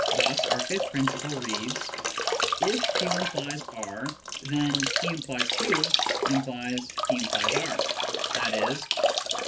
Thus our fifth principle yields :" If q implies r, then ' p implies q ' implies ' p implies r,' " i.e.